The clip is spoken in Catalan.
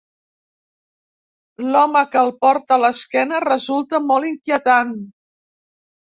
L'home que el porta a l'esquena resulta molt inquietant.